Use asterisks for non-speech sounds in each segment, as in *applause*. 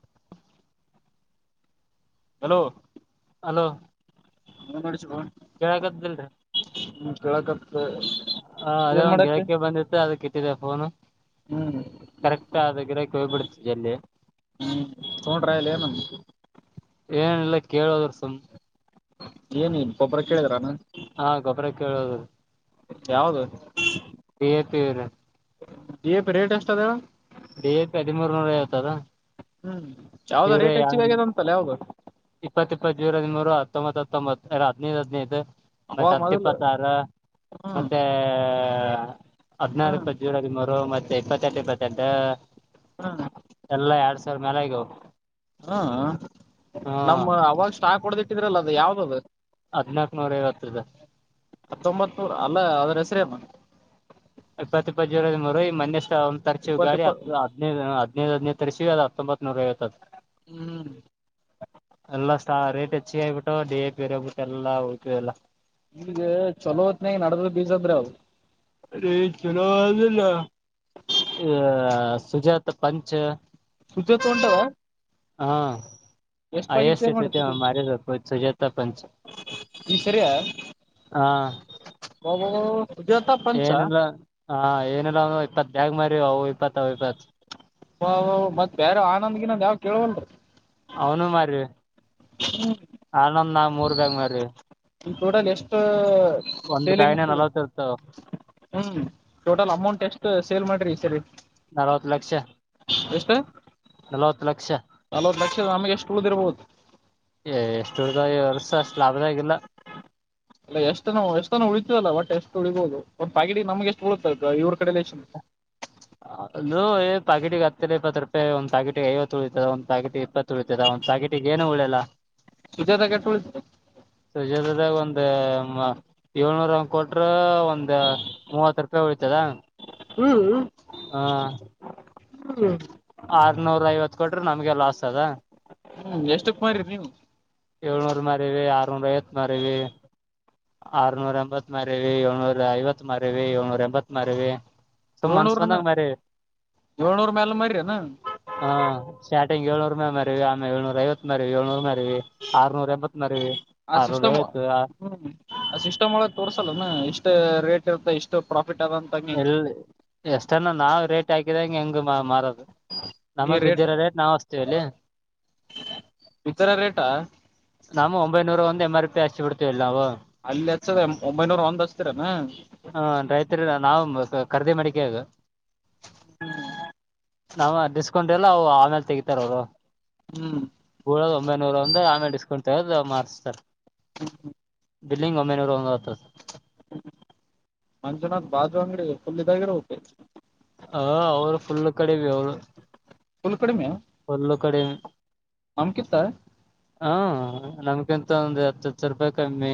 ಹ್ಮ್ಮ್. Hello hello ಹ್ಮ್ ಯಗದದಲ್ರಿ ಹ ಕೇಳಕತ್ತ ಅದೇ ಏನ್ ಒನ್್ ಮಾಡತ್ತೆ ಗೆಳಕ್ಕೆ ಬಂದಿತ್ತ ಅದ ಕ ಇಟ್ಟಿದೆ ಹನು ಹ್ಮ್ ಕರೆಕ್ಟ್ ಆದ ಗಿರಕ್ಕೆ ಹೋಗ್ಬಿಡ್ತದೆ ಅಲ್ಲಿ ಹ್ಮ್ ತೋೊಂಡ್ರಾಯಲ್ಲ ನ ಏನಿಲ್ಲ ಕೇಳದ್ರ ಸುಮ ಏನ ಒಬ್ಬರ ಕೇಳಿದ್ರಾನ ಹಾ ಗೊಬ್ಬರ ಕೇಳೋದುದು ಯಾವದು ತರ ಪ ರೇಟ್ ಎಷ್ಟ ಅದಾವ ಡೇ ಹದಿಮೂರ್ನೂರ ಯತದಾ ಹ್ಮ್ ಯಾವದ ರೇಟ್ ಹೆಚ್ಚಿಗ ಆಗ್ಯದ ಅಂತಲ್ಲ ಯಾವ್ದ ಇಪ್ಪತ್ತ ಇಪ್ಪತ್ ಜೂರ ಹದ ಮೂೂರು ಹತ್ತೊಂಬತ್ ಹತ್ತೊಂಬತ್ತು ಎರ ಹದಿನೈದು ಹದಿನೈದು ಅವಾಗ ಮೊದಲು ಮತ್ತತ್ತೆಪ್ಪತಾರ ಹ್ಮ್ ಮತ್ತೆ ಹ್ಮ್ ಹದ್ಿನಾರಪ್ಪ ಜೋಡದ ಮರು ಮತ್ತೆ ಇಪ್ಪತ್ತೆಂಟು ಇಪ್ಪತ್ತೆಂಟು ಹ್ಮ್ ಎಲ್ಲ ಎರಡ್ ಸಾವಿರ ಮೇಾಲಗ ಹ್ಮ ಹ್ಮ ನಮ್ಮ ಅವಾಗ ಸ್ಟಾಕ್ ಹೊಡ್ದಿಟ್ಟಿದ್ರಲ್ಲ ಅದು ಯಾವ್ದದು ಹದ್ನಾಾಕ್ನೂರ ಐವತ್ತುದ ಹತ್ತೊಂಬತ್ ನೂರ ಅಲ್ಲ ಅದ್ರ ಹೆಸ್ರೇ ಅಲ್ಲ ಇಪ್ಪತ್ತಪ್ಪಜರ ಮರು ಮನ್ನೆಷ್ಟ ಒ್ ತರ್ಚಿ ಇಪ್ಪತ್ತ ಗಳಿ ಇಪ್ಪ ಹತ್ತು ಹದಿನೈದು ಹದ್ೈದು ಹದ್ನೈದು ತರಿಸಸಿ ಅದ ಹತ್ತೊಂಬತ್ನೂರ ವತ್ತು ಹ್ಮ್ ಎಲ್ಲ ಸ ರೇಟ್ ಹೆಚ್ಚಿಗೆ ಆಗಬಿಟ್ಟು ಡಿ ಎ ಪೇರ್ ಹಗ್ಬಿಟ್ಟು ಎಲ್ಲಾ ಹೋಗ್ತಿದೆ ಎಲ್ಲ ನಿಮಗೆ ಚಲೋ ಹೊತ್ನ ನಡದ್ರ ಬೀಸದ್ರೆ ಅವವು ಅ ಚುನೋಿಲ್ಲ ಸುಜಾತ್ ಪಂಚ್ ಪೂಜ ತ ಉಂಟಾವ ಹಾ ಆಯಸ್ ಸ ಮಾಡಿ ಮಪ್ಪ ಸಜ ಪ ಈ ಸರಿಯಬ ಏನೆಲ್ಲ ಹಾ ಏನೆಲ್ಲ ಅವ ಇಪ್ಪತ್ಾಗ ಮರಿ ಅವು ಇಪ್ಪತ್ ಅವ ಇಪ್ಪತ್ ವ ಮತ್ತತ್ ಬೇರೆ ಆನಂದ್ಗಿನಂದ ಯಾವ್ ಕೇೇಳವಲ್ರರಿ ಅವನು ಮಾರರಿ ಆನೊಂದ ನಾ ಮೂರ್ ಬ್ಯಾಗ ಮಾರರಿ ಟೋಟಲ್ ಎಷ್ಟು ಸೇಲಿಂಗ್ಸ ಬ್ಯಾಗ್ನ ನಲ್ವತ್ ಇರ್ತಾವ ಹ್ಮ ಟೋಟಲ್ ಅಮೌಂಟ್ ಎಷ್ಟು ಸೇಲ್ ಮಾಡ್ರಿ ಈ ಸರಿ ನಲವತ್ತು ಲಕ್ಷ ನಲವತ್ತು ಲಕ್ಷ ಅಲೋ ದಕ್ಷ ನಮಗೆ ಎಷ್ಟು ಉಳಿದ್ ಇರ್ಬಹದು ಏ ಎಷ್ಟು ಹರ್್ದ ವರ್ಸ ಅಷ್ಟು ಲಾಭದಾಗಿಲ್ಲ ಅಲ್ಲ ಎಷ್ಟ ಎಷ್ಟು ಉಳಿತತದಲ್ಲ ಒಟ್ ಎಷ್ಟು ಉಳಬೋುದು ಒ್ ಪಾಗಿಡಿ ನಮ್ಗೆಷ್ಟ ಉಳುತ್ತತ ಇವ್ರ ಕಡ ಎಷ್ಟು ಹ್. ಅಲ್ಲೂ ಪ್ಯಾಕೆಟಿಗೆ ಹತ್ತರ ಇಪ್ಪತ್ತು ರೂಪಾಯಿ ಒಂದು ಪ್ಯಾಕಟಿಿಗೆ ಐವತ್ತು ಉಳಿತತದ ಒಂದು ಪ್ಯಾಕಟಿಗೆ ಇಪ್ಪತ್ತು ಉಳತದ ತಕೇಟಿಗೆ ಏನು ಉಳಲ್ಲ ಸದದ ಕೆಟಳ್ ಸುಜಾತದಾಗ ಒಂದ್ ಏಳ್ನೂರ ಕೊಟ್ರ ಒಂದು ಮೂವತ್ತು ರೂಪಾಯಿ ಉಳತದಾ ಹ ಹ್ಮ ಕೊ್ರ ನಮ್ಗೆಲ್ಲಾ ಆಸ್ತದ ಹ್ಮ್ ಎಷ್ಟ ಕುಮಾರರಿ ನೀವು ಏಳ್ನೂರ್ ಮಾರವಿ ಆರ್ನೂರ ಐತ್ ಮಾರವಿ ಆರ್ನೂರ ಎಂಬತ್ ಮರಿವಿ ಏಳ್ನೂರ ಐವತ್ ಮರಿವಿ ಏಳ್ನೂರ ಎಂಬತ್ ಮಾರವಿ ತು ಮನ್ಸ್ ಏಳ್ನೂರ್ ಮ ಬಂದಂಗ ಮ್ರ ಏಳ್ನೂರ್ ಮ್ಯಾಲ ಮಾರೀರೇನ? ಹಾ ಶ ಂ ಳ್ನೂರ ಮರಿವಿ ಆ ಏಳ್ನರ ಐವತ್ ಮರಿ ಏಳ್ನೂರ ಮೇರಿವಿ ಆರ್ನೂರ ಎಂಬತ್ ಆ ಆರದ ಸಿಸ್ಟಮ್ ಆಯ್ತು ಹ್ಮ್ ಸಿಸ್ಟಮ್ ಒಳಗ್ ತೋರ್ಸಲ್ಲ ಇಷ್ಟ್ ರೇಟ್ ಇರುತ್ತ ಇಷ್ಟು ಪ್ರಾಫಿ ಎಲ್ಲಿ ಎಷ್ಟನ ನಾವ್ ರೇಟ್ ಹಾಕಿದಂಗ ಹೆಂಗ ಮಾರದು ನಮ್ಮ ಬಿದ್ದಿರ ರೇಟ್ ನಾವವುಸ್ತೀವಿ ಅಲ್ಲಿ ಇತರ ರೇಟಾ ನಾವು ಒಂಬೈನೂರ ಒಂದ ಎಂ ಆರ್ ಪಿ ಅಚ್ಚಿ ಬಿಡ್ತೀವಿಲ್ ನಾವು ಅಲ್ಲಿ ಹಚ್ಚದ ಒಂಬೈನೂರ ಒಂದ್ ಹಚ್ತಿರನ ಹ ರೈತರಿ ನಾವು ಕರ್ದೆ ಮಾಡಡಿಕೆ ಆಗ ನಾವ ಡಿಸ್ಕೌಂಟ್ ಎಲ್ಲ ಆಮೇಲೆ ತೆಗತಾರ ಅವರು ಹ್ಮ್ ಕೂಳದ ಒಂಬೈನೂರ ಒಂದ ಆಮೇಲೆ ಡಿಸ್ಕೌಂಟ್ ತಗದು ಮಾರ್ಸ್ತಾರೆ ಹ್ಮ ಬಿಲ್ಲಿಂಗ ಒಂಬೈನೂರು ಒಂದುವತ್ತು ಮಂಜುನಾಥ್ ಬಾಜು ಅಂಗಡಿ ಫುಲ್ ಇದಾಗಿರಬೇಕು ಹ ಅವ್ರು ಫುಲ್ ಕಡೆವಿ ಅವಳ ಫುಲ್ ಕಡಿಮೆ ಫುಲ್ಲು ಕಡಿಮೆ ನಮ್ಕಿತ್ತ ಹ ನಮಿಗೆ ಅಂತಂದ್ರೆ ಹತ್ತು ಹತ್ತು ರೂಪಾಯಿ ಕಮ್ಮಿ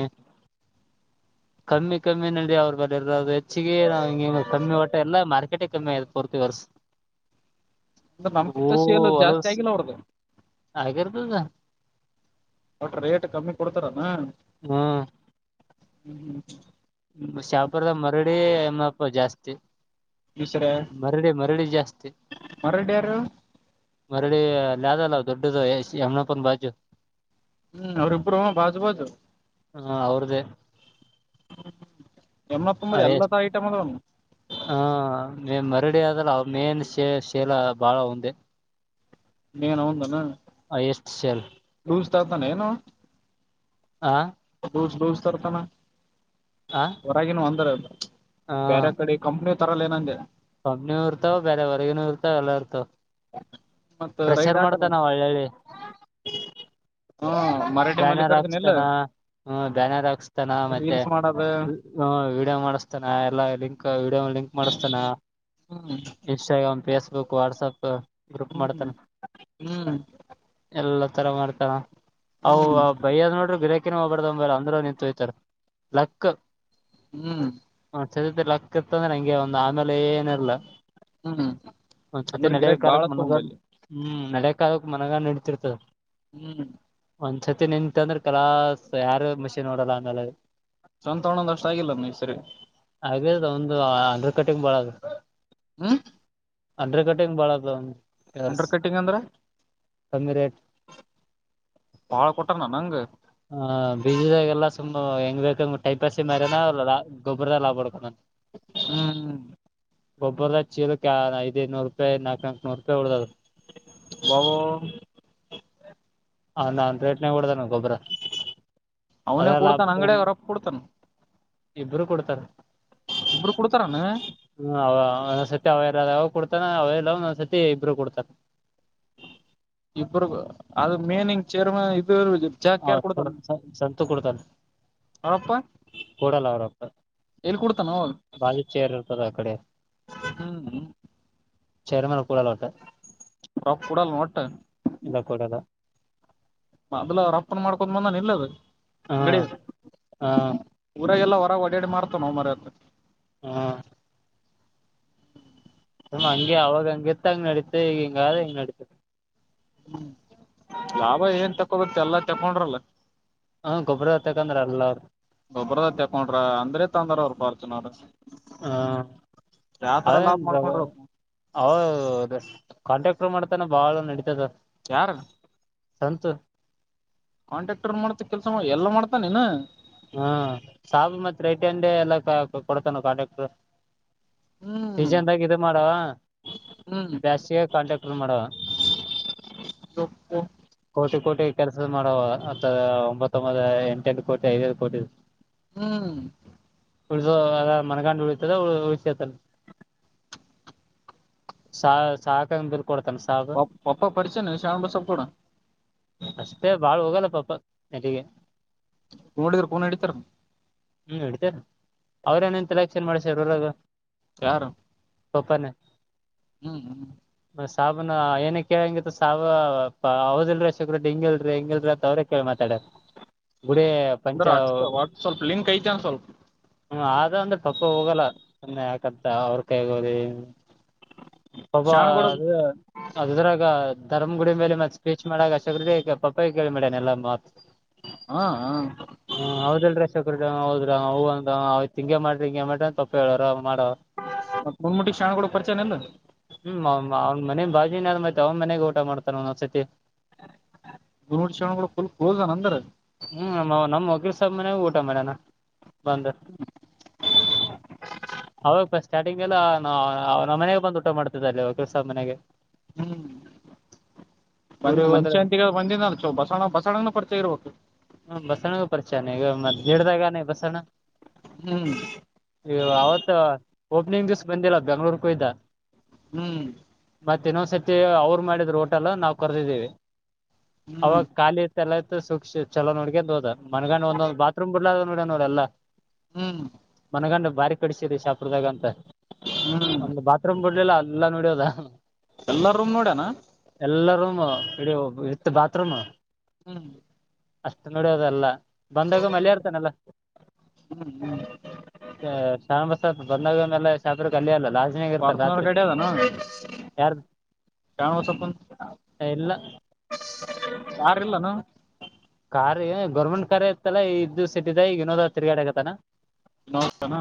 ಕಮ್ಮಿ ಕಮ್ಮಿನಲ್ಲಿ ಅವ್ರ ಬಳ ಇರ ಹೆಚ್ಚಿಗೆ ನಾವು ಕಮ್ಮಿ ಟ್ಟೆ ಎಲ್ಲ ಮಾರ್ಕೆಟ ಕಮ್ಮಿ ಆಯ ಪೂರ್ತಿ ವರ್ಸ ಅಂದ್ರ ನಮ್ಕಿತ್ತ ಸೇಲ್ ಜಾಸ್ತಿ ಆಗಿಲ್ಲ ಅವ್ರ್ದು ಆಗಿರ್ತದ ಒಟ ರೇಟ್ ಕಮ್ಮಿ ಕೊಡ್ತಾರನಾ ಹ್ಮ ಹ್ಮ್ ಹ್ಮ್್ಮ ಶಾಪುರದ ಮರಡಿ ಎಮ್ಮಪ್ಪ ಜಾಸ್ತಿ ಈಶ್ವರ ಮರಳಿ ಮರಳಿ ಜಾಸ್ತಿ ಮರಡಿ ಯಾರು ಮರಳಿ ಲಾದಲ್ಲ ದೊಡ್ಡದು ಯಮನಪ್ಪ ಬಾಜು ಹ್ಮ್ ಅವ್ರಿಬ್ರು ಬಾಜು ಬಾಜು ಹಾ ಅವ್ರ್ದೇ ಎಮ್ಮನಪ್ಪಂಬರಿ ಎಲ್ಲದ ಎಷ್ಟ ಐಟಮ್ ಅದನು ಕರಡಿ ಅದಲ್ಲ ಮೇನ್ ಶ ಶೇಲ ಬಾಳ ಒಂದೇ ನೇನ ಹಂದಾನ ಎಷ್ಟು ಶೇಲ್ ಲೂಸ್ ಕಾಂತಾನೆ ನವ ಹ ಲೂಸ್ ತರ್ತಾನ ಆ ಹೊರಗನ ಒಂದರಲ್ಲ ಬೇರೆ ಕಡೆ ಕಂಪ್ನಿ ತರಲ್ಲ ಏನಂದೆ ಒಮ್ಮೂ ಇರ್ತಾವ ಬೇರೆವರೆಗನೂ ಇರ್ತಾವ ಎಲ್ಲ ಇರ್ತಾವ ಮತ್ ರೈಡ್ ಪ್ರೆಷರ್ ಮಾಡ್ತ ಹಾಕಲ್ಲ ನಾವ ಒಳ್ಳಳ್ಳಿ ಹ್ಮ್ ಮರಾಠಿ ಬ್ಯಾನರ್ ಮಲ್ಲಿಕಾರ್ಜುನ್ ಇಲ್ಲ ಹಾಕ್ಸ್ತಾನ ಹ್ಮ ಬ್ಯಾನರ್ ಹಾಕ್ಸ್ತಾನ ಮತ್ತೆ ರೀಲ್ಸ್ ಮಾಡದ ಹ ವಿಡಿಯೋ ಮಾಡಿಸಸ್ತಾನ ಎಲ್ಲಾ ಲಿಂಕ್ ವಡಿಯೋ ಲಿಂಕ್ ಮಾಡಸ್ತಾನ ಹ್ಮ್ ಇನ್ಸ್ಟಾಗ್ರಾಮ್ ಫೇಸ್ಬುಕ್ ವಾಟ್ಸಾಪ್ ಗ್ರೂಪ್ ಹ್ಮ್ ಮಾಡ್ತಾನ ಹ್ಮ್ ಎಲ್ಲ ತರ ಮಾಡ್ತಾರ ಅವು ಹ್ಮ್ ಬೈಯ ಆದದ್ ನೋಡ್ರರು ಗಿರಕಿನ ಹೋಗ್ತಾರ ಬಂಬ ಅಂದ್ರ ನಿಂತು ಹಯ್ತಾರೆ ಲೆಕ್ಕ ಹ್ಮ್ ಚದತೆ ಲಕ್ಕತ್ತ ಅಂದ್ರೆ ನಂಗೆ ಒಂದ್ ಆಮೇಲೆ ಏನಿಲ್ಲಾ ಹ್ಮ್ ಒಂದ್ಸತಿ ಅಂದ್ರ ನಳ ಗಿರಾಕ್ ಬಾಳ ಕಾಲಕ್ಕೆ ಮನಗ ತೊಂಬಲ್ಲಿ ಹ್ಮ್ ನಳೆ ಕ್ ಮನಗ ನಡತಿರ್ತದ ಹ್ಮ್ ಒಂದ್ಸತಿ ನಿಂತ ಅಂದ್ರೆ ಕಲಾ ಯಾರು ಮಷಿನ್ ನೋಡಲ್ಲ ಅಂದ ಸಂತಣೊಂದಷ್ಟ ಆಗಿಲ್ಲ ನೀ ಸರಿ ಹಾಗದು ಒಂದು ಅಂಡ್ರ ಕಟಿಂಗ್ ಬಾಳ ಹ್ಮ್ ಅಂಡ್ರ ಕಟಿಂಗ್ ಬಾಳ ಅದವಂದು ಅಂಡರ್ ಕಟ್ಟಿಂಗ್ ಅಂದ್ರೆ ಸಂಗ ರೇಟ್ ಬಾಳ ಕೊಟ್ಟಾನ ನಂಗ ಹ ಬೀಜದ ಎಲ್ಲಾ ತುಂಬಾ ಹೆಂಗ್ ಬೇಕಂಗ್ ಟೈಪಾಸಿ ಮಾರನಾ ಗೊಬ್ರ ಲಾಭಾಡ್ಕೋ ಹ್ಮ್ ಗೊಬ್ಬರದಾಗ ಚೀಲಕ್ಕೆ ಐ ನೂರು ರೂಪಾಯಿ ನಾಲ್ಕೂ ನೂರು ರೂಪಾಯಿ ಉಳ್ದದದು ಬಾಬೋ ಹ ನಾನ್ ರೇಟ್ನ ಕೊಡ್ದ ನ ಗೊಬ್ಬ್ರ ಅವನೇ ಕೊಡ್ತಾನ ಅಂಗಡಿಯ ಅವರಪ್ಪ ಕುಡ್ತಾನ ಇಬ್ಬರುಕೊಡ್ತಾರೆ ಇಬರು ಕೋಡ್ತಾರಾನ ಒಂದ್ ಸತಿ ಅವೆಲ್ಲ ಕೊಡ್ತಾನ ಅವೆಲ್ಲ ಒಂದ್ಸರ್ತಿ ಇಬರು ಕೊಡ್ತಾನ ಇಬರು ಅದು ಮೇನಿಂಗ್ ಚೇರ್ಮೆನ್ ಚಾ ಕೇರ್ ಕೊಡ್ತಾರ ಸಂತು ಕೊಡ್ತಾನ ಅವಪ್ಪ ಕೊಡಲ್ಲ ಅವ್ರ ಅಪ್ಪ ಎಲ್ಲಿ ಕುಡ್ತಾನೋ ದ ಕಡೆ ಹ್ಮ್ ಸೇರಿ ಮ ರಫ ಉಡಲ್ಲ ಒತ ಇಲ್ಲ ಕೊಡದ ಮೊದ್ಲು ಅವ್ ಅಪ್ಪನ್ ಮಾಡ್ಕೊಡ ಬಂದನ್ ಇಲ್ಲದ ಹಾ ನಡಿಯದು ಹಾ ಊರ ಎಲ್ಲ ಹೊರ ಡಾಡಿ ಮಾರತವೆ ನಾವು ಮರತ್ತ ಹಾ ಹಮ್ಮ ಹಂಗೆ ಅವಾಗ ಹಂಗಗೆತ್ತ ಹಂಗ ನಡೀತ ಈಗ ಹಿಂಗಾದ ಹಿಂಗ ನಡೀತತೆ ಹ್ಮ್ ಲಾಭ ಏನ್ ತಕ್ಕೊಬೇಕ ಎಲ್ಲ ತಕೊಂಡ್ರಲ್ಲ ಹ ಗೊಬ್ಬ್ರ ಹೊತಕಂದ್ರ ಅಲ್ಲ ಅವ್ರ ಒಬ್ರದ ತಕೊಂಡ್ರ ಅಂದ್ರೆ ತಂದಾರ ಅವರು ಬರ್ತ ನೋರ ಹಾ ಲಾಭ ಅದೇನ್ರ ಮಾಡ್ಕೊಂಡ್ರು ಅವದ ಕಾಂಟಾಕ್ಟ್ರ್ ಮಾಡ್ತಾನೆ ಬಾಳ ನಡೀತದ ಯಾರ ಸಂತು ಕಾಂಟ್ರಾಕ್ಟರ್ ಮಾಡ್ತ ಕೆಲ್ಸ ಮಾಡ ಎಲ್ಲಾ ಮಾಡ್ತಾ ನೀನು ಹಾ ಸಾಬು ಮತ್ ರೈಟ್ ಅಂಡೆ ಎಲ್ಲ ಕೊಡ್ತಾನ ಕಾಂಟ್ರಾಕ್ಟರ್ ಹ್ಮ್ *unintelligible* ಮಾಡುವ ಹ್ಮ್ ಜಾಸ್ತಿಯೇ ಕಾಂಟ್ಯಾಕ್ಟರ್ ಮಾಡವ *inaudible* ಕೋಟಿ ಕೋಟಿ ಕೆಲ್ಸದ ಮಾಡವ ಹದ ಒಂಬತ್ತೊಂಬತ್ತು ಎಂಟ ಎಂಟು ಕೋಟಿ ಐದೈದು ಕೋಟಿ ಹ್ಮ್ ಉಳಸು ಅದ ಮನಘಾಟ್ ಉಳಿತದ ಉಳಿತದ ಸಾ ಸಾಕ ಬ ಪ ಪಪ ಪರಿಚಯನೆ ಶಾಣ ಬಸಪ ಕೂಡ ಅಷ್ಟೇ ಬಾಳ್ ಹೋಗಲ್ಲ ಪಾಪ ನೆಲ್ಲಿಗೆ ನೋಡಿದರು ಫೋನ್ ಹಡಿತಾರೆ ಹ್ಮ್ ನೆಡಿತೈತೆ ಅವ್ರೇಏನೇನ್ ಇಂಟಕ್ಷನ್ ಮಾಡ್ಸರ ರೋಲ್ ಹಾಗ ಯಾರ ಪಾಪನೆ ಹ್ಮ್ ಹ್ಮ್ ಸಾಬನ ಏನ ಕೇಳಂಗಿತ್ತು ಸಾ ಅವದಿಲ್ರಿ ಶಗ್ರಡ್ ಹಿಂಗಿಲ್ರಿ ಹಂಗಿಲ್ರಿ ಅವ್ರೇ ಕೇಳಿ ಮಾತಾಡರ ಗುಡಿ ಪಂಚ ಅಂದ್ರ ಅಚ್ಚ ಒಟ್ ಸ್ವಲ್ಪ ಲಿಂಕ್ ಐತೆ ಅನ್ ಸ್ವಲ್ಪ ಹ್ಮ ಆದ ಅಂದ್ರೆ ಪಪ್ಪ ಹೋಗಲ್ಲ ಸುಮ್ನೆ ಯಾಕಂತ ಅವ್ರ ಕೈಗೋದಿ ಒಬ್ಬ ಶಾಣಗೋಡ ಅದು ಅದ್ರಾಗ ಧರ್ಮಗುಡಿ ಮೇಲೆ ಮತ್ತ ಸ್ಟೇಚ್ ಮಾಡಾಗ ಅಷ್ಟ್ರ ಪಪ್ಪ ಕೇಳಿಬಿಡನೆ ಎಲ್ಲ ಮಾತ್ ಹಾ ಹಾ ಹ್ಮ ಹೌದಲ್ ಹೌದ್ರ ಹೂಂದ ಆ್ತ ಹಿಂಗೆ ಮಾಡ್ರಿಂಗ ಮಾಡ್ರ ತಪ್ಪ ಹೇಳೋ ಮಾಡ ಮತ್ ಮುನ್ಮುಟಿ ಶಾಣಗೋಡ ಪರಿಚಯನ ಇಲ್ಲ ಹ್ಮ ಮನೆ ಬಾಜಿನಾದ್ತ್ ಅವ ಮನೆಗ್ ಊಟ ಮಾಡತಾರ ಒಂದೊಂದ್ಸತಿ ಫುಲ್ ಕ್ಲೋಸ್ನ್ ಅಂದ್ರ ಹ್ಮ್ ನಮ್ ವಕೀಲ್ ಊಟ ಮೇಡಾನ ಬಂದು ಅವಾಗ ಸ್ಟಾರ್ಟಿಂಗ್ ಹಗೆಲ್ಲಾ ನಮನೆಗೆ ಬಂದು ಊಟ ಮಾಡ್ತಿದಿದ್ದಲ್ಲಿ ಕೆಲ್ಸ ಮನೆಗೆ ಹ್ಮ್ ಬಂದ್ ಊರಿಗ್ ಹೋದ್ರ ಮನುಷ್ಯ ಅಂತಿಗ ಬಂದಿನ ಬಸಣ್ಣ ಬಸಣ್ಣನು ಪರಿಚಯಾ ಇರ್ಬೇಕು ಹ್ಮ ಬಸಣ್ಣನುವೆ ಪರಿಚಯಾನ ಈಗ ಮತ್ ಬಸಣ್ಣ ಹ್ಮ್ ಅವತ್ತು ಓಪನಿಂಗ್ ದಿವಸ ಬಂದಿಲ್ಲ ಬೆಂಗಳೂರಿಗೆ ಹೋಗಿದ್ದ ಹ್ಮ್ ಮತ್ತ ಇನ್ನೊಂದ್ಸತಿ ಅವ್ರು ಮಾಡಿದ್ರ ಓಟೆಲ್ ನಾವು ಕರೆದಿದ್ದೀವಿ ಹ್ಮ್ ಅವಾಗ ಖಾಲಿ ಎಲ್ಲ ಇತ್ತು ಸೂಕ್ಷ್ ಚಲೋ ನೋಡಿಕೊಂಡು ಹೋದ ಮನಗ ಒಂದು ಬಾತ್ರೂಮ್ ಬಿರ್ಲಾಡ್ ನೋಡು ನೋಡೇಲ್ಲ ಹ್ಮ್ ಬಾರಿ ಕಡಿಸಿದರಿ ಶಾಪ್ರದಾಗ ಅಂತ ಹ್ಮ್ ಒಂದು ಬಾತ್ರೂಮ್ ಬಿಡ್ಲಿಲ್ಲ ಎಲ್ಲ ನೋಡಿ ಹೋದ ಎಲ್ಲ ರೂಮ್ ನೋಡ್ಯನ ಇಡ ಇತ್ತು ಬಾತ್ರೂಮ್ ಹ್ಮ್ ಅಷ್ಟು ನಡಿಯೋದೆಲ್ಲ ಬಂದಾಗ ಮನೇಲೆರ್ತಾನಲ್ಲ ಹ್ಮ್ ಹ್ಮ್ ಹೇ ಶ್ಯಾಮಪ ಬಂದಾಗ ಶಾಪ್ ಇರೋದು ಅಲ್ಲೇ ಅಲ್ವಾ ಪರ್ಸನಲ್ ಗಾಡಿ ಅದನ ಯಾರ್ದ *unintelligible* ಇಲ್ಲ ಇಲ್ಲನ ಕಾರು ಗೌರ್ಮೆಂಟ್ ಕಾರೇ ಇತ್ತಲ್ಲ ಇದು ಸಿಟಿದ ಈಗ ಇನ್ನೋದ ತಿರ್ಗಾಡೆ ಆಕತಾನ ಇನ್ನೊಂದುಅಯ್ತೆನ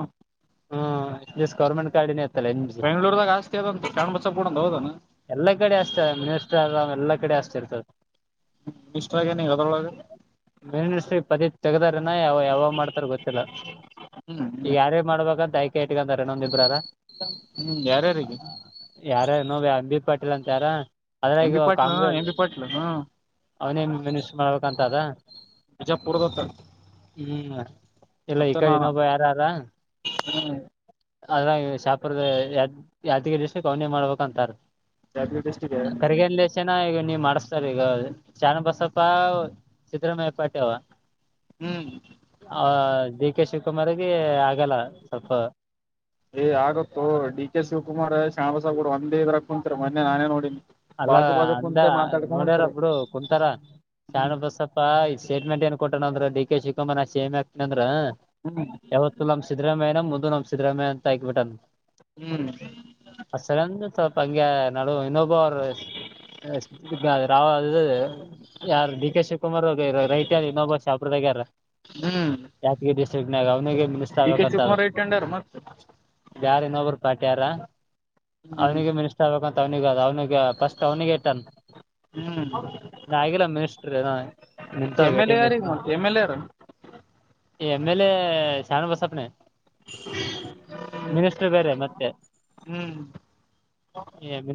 ಹ್ಮ ಎಸ್ ಗವರ್ನಮೆಂಟ್ ಗಾಡಿನ ಬೆಂಗಳೂರುದಾಗ ಆಸ್ತಿ ಅದಂತು ಚೆನ್ನಬಸಪ್ಪದು ಹೌದೇನೋ ಎಲ್ಲ ಕಡೆ ಆಸ್ತಿ ಆದ ಮಿನಿಸ್ಟರ್ ಅದನ್ನ ಎಲ್ಲ ಕಡೆ ಆಸ್ತಿ ಇರ್ತದೆ ಮಿನಿಸ್ಟರ್ ಆಗನ ಮಿ ಪದ ತೆಗದಾರನ ಯಾವ ಯಾವ ಮಾಡ್ತಾರ ಗೊತ್ತಿಲ್ಲ ಹ್ಮ್ ಈ ಹ್ಮ್ ಯಾರ ಮಾಡ್ಬ ಐಕ ಇಟ್ಕಂತಾರನೊಂದ ಇಬ್ರಾರ ಹ್ಮ್ ಯಾರ್ಯಾರಿಗೆ ಯಾರ ನೋವು ಅಂಬಿತ್ ಪಾಟೀಲ್ ಅಂತ ಯಾರ ಎಂ ಅದ್ರಾಗಿ B Patil Congress M B Patil ಹ್ಮ್ ಅವನೇ ಮೆ ಮಾಡ್ಬೇಕಂತ ಅದ ಬಿಜಾಪುರದತ್ತ ಹ್ಮ್ ಎಲ್ಲ ಈ ಮತ್ತ ನಾನ ಕಡೆನ್ನೊಬ್ಬ ಯಾರಾರ ಹ್ಮ್ ಅದ್ರಾಗ ಶಾಪರದ ಯ್ ಯಾದಗಿಷ್ಟ ಕವನಿ ಮಾಡ್ಬೇಕ ಅಂತಾರ ಜಾತ್ರೆ ಡಿಸ್ಟಿಕ್ ಕರಿಗನ್ಲೇಶನ ಈಗ ನೀವ್ ಮಾಡ್ ಸರ್ ಈಗ ಚೆನ್ನಬಸಪ್ಪ ಸಿದ್ದರಾಮಯ್ಯ ಪಾಟಿ ಅವ ಹ್ಮ್ ಆ ಡಿ ಕೆ ಶಿವಕುಮಾರ್ಿಗೆ ಆಗಲ್ಲ ಸ್ವಲ್ಪ ಏ್ ಆಗತ್ತು ಡಿ ಕೆ ಶಿವಕುಮಾರ್ ಶ್ಯಾಮಸೂರು ಒಂದೇ ಇದ್ರ ಕುಂತರು ಮೊನ್ನೆ ನಾನೇ ನೋಡಿನಿ ಅಲ್ಲ ಬಾಜು ಬಾಜು ಅಂದ ಕುಂತೆ ಮಾತಾಡ್ಕೊಂಡ್ ನೋಡ್ಯಾರ ಹೊಂಟ್ರಿ ಒಬ್ಡು ಕುಂತಾರ ಶಾಣ ಹ್ಮ್ ಬಸಪ್ಪ ಇ ಸ್ಟೇಟ್ಮೆಂಟ್ ಏನ್ ಕೊಟ್ಟಣ ಅ್ರ ಡಿ ಕೆ ಶಕುಮಾರ್ೇಮ್ ಆಗ್ತನ ಅ್ರ ಯಾವತ್ತು ನಮ್ ಸರಾಮಯ್ಯ ನ ಸಿಿದ್ರಾಮ ಅಂತ ಇಕ್ ಬಟನ್ ಹ್ಮ್ ಅಂ್ಯ ನಡುುವ ಇನೋಬ ಅವರು ರಾವ್ ಅ ಯಾರು ಡಿ ಕೆ ಶಿವಕುಮಾರ್ ರೈತ ವಿನೋಬಾ ಶಪ್ರದ ಗಾರ ಹ್ಮ್ ಜಾತಿಗೆ ದಿಸನಾಗ ಅವನಿಗೆ ಡಿ ಕೆ ಮುಿನಿಸ್ತಾಬೇಕಂತ ಅದ ಶಿವಕುಮಾರ್ ಇಟ್ಕೊಂಡಾರ ಮತ್ ಯಾರ ಇನ್ನೊಬ್ರು ಪಾಠ್ಯ ಯಾರ ಹ್ಮ್ ಅವ್ನಿಗೆ ಮಿನಿಸ್ಟರ್ ಆಗ್ಬೇಕಂತ ಅವ್ನಿಿಗೆ ಅವ್ನಿಿಗೆ ಫಸ್ಟ್ ಅವ್ನಿಿಗೆ ಟನ್ ಹ್ಮ್ ನ ಆಗಿಲ್ಲ ಮಿನಿಸ್ರ ಎಮ್ ಎಲ್ ಎ ಯಾರೀಗ ನಿಂತೇಟಿಂಗಷ್ಟ ಮತ್ ಎಮ್ ಎಲ್ ಎ ಯಾರ ಎಮ ಎಲ್ ಎ ಶಾನ ಬಸಪನೆ ಮಿನಿಸರ್ ಬೇರೆ ಮತ್ತೆ ಹ್ಮ್ ಎ ಬ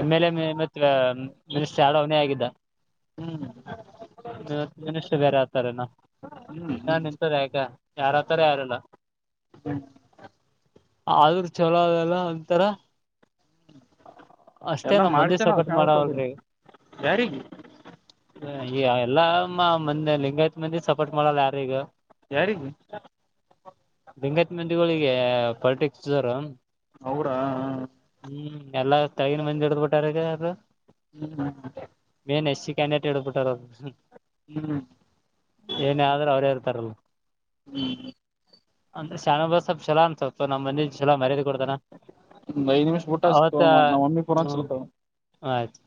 ಎಮ್ ಎಲ್ ಎ ಮ ಮಿನಿಸ್ಟರ್ ಯ ಅವನೇ ಆಗಿದ್ದ ಹ್ಮ್ ಇವ ಮಿನಷ ಬೇರೆ ಆತಾರೆನಾ ಹ್ಮ್ ನಾ ಹ್ಮ್ ನಿಂತದ ಹೇಗ ಯಾರತಾರ ಯಾರಲ್ಲ ಆದರುೂ ಚಲೋ ಅಲ್ಲ ಒಂತರ ಅಷ್ಟ ಎಲ್ಲಾ ನಮ್ ಮಂದಿ ಮಾಡ್ಸ್ಯನ ಸಪೋಟ್ ಶಣಬಸಗೌಡ ಮಾಡಾವಲ್ರಿ ಯಾರಿಗಿ ಹ ಈ ಎಲ್ಲಮ್ಮ ಮಂದೆ ಲಿಂಗಾಯತ್ ಮಂದಿ ಸಪೋರ್ಟ್ ಮಾಡಲ್ಲ ಯಾರೀಗ ಯಾರಿಗೆ ಪಟಿ ಹ್ಮ ಅವ್ರಾ ಎಲ್ಲ ತಗ ಮಂದ ಟಾರ ಯ ಹ್ಮ್ ಹ್ಮ್ ಹ್ಮ ಕ್ಯಾಂಡಟ್ ಹೇಡ್ಬಿಟ್ಟಾರ ಹ್ಮ್ ಏನ್ರೂ ಅವ್ರೇರ್ತಾರಲ್ಲ ಅಂದ ಶಾನಬಾಬ್ ಚಲ ಅಂತತ್ ಸೊ ನಮ್ ಮಂದಿ ಚಲೋ ಮರ್ಯಾದೆ ಕೊಡ್ತಾನ ಒಂದ್ ಅವತ್ತ ಹ್ಮ್ ಹ ಆಯ್ತು